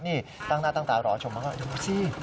นี่ตั้งหน้าตั้งตารอชมมากดูสิ